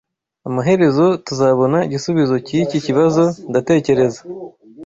Amaherezo tuzabona igisubizo cyiki kibazo, ndatekereza.